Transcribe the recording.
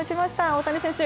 大谷選手